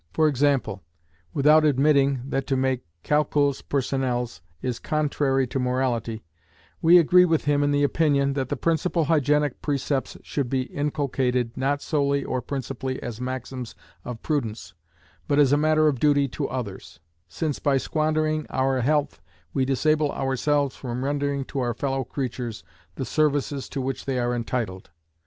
For example; without admitting that to make "calculs personnels" is contrary to morality, we agree with him in the opinion, that the principal hygienic precepts should be inculcated, not solely or principally as maxims of prudence, but as a matter of duty to others, since by squandering our health we disable ourselves from rendering to our fellow creatures the services to which they are entitled.